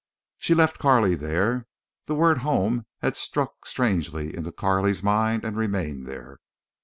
She left Carley there. The word home had struck strangely into Carley's mind and remained there.